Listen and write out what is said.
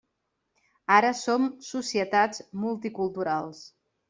Ara som societats multiculturals.